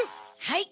はい。